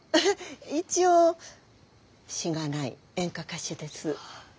一応しがない演歌歌手です。